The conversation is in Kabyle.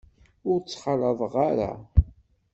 Ur t-ttxalaḍeɣ ara.